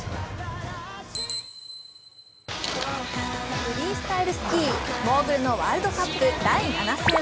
フリースタイルスキー・モーグルのワールドカップ第７戦。